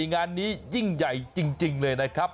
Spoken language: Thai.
งานนี้ยิ่งใหญ่จริงเลยนะครับ